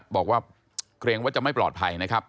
บอกว่าเกรงว่าจะไม่ปลอดภัยนะครับ